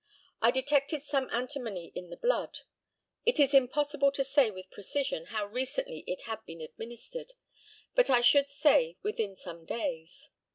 I detected some antimony in the blood. It is impossible to say with precision how recently it had been administered; but I should say within some days.